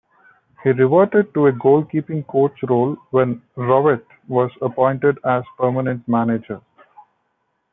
He reverted to a goalkeeping coach role when Rowett was appointed as permanent manager.